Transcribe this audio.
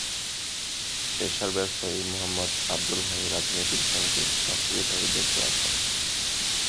পেশার ব্যবসায়ী মো: আব্দুল হাই রাজনীতির সঙ্গে সক্রিয় ভাবে যুক্ত আছেন।